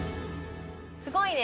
すごいね。